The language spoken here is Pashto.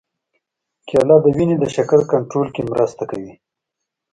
کېله د وینې د شکر کنټرول کې مرسته کوي.